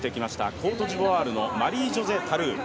コートジボワールのマリー・ジョゼ・タ・ルー。